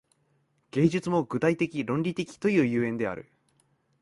芸術も具体的論理的という所以である。